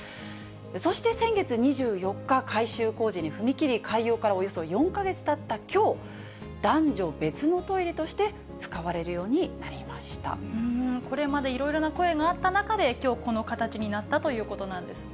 そして先月２４日、改修工事に踏み切り、開業からおよそ４か月たったきょう、男女別のトイレとして使われこれまでいろいろな声があった中で、きょう、この形になったということなんですね。